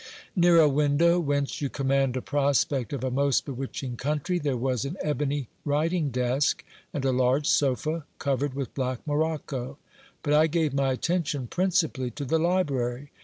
Near a window whence you command a pros pect of a most bewitching country, there was an ebony writing desk and a 1 irge sofa, covered with black morocco. But I gave my attention principally t3 the library.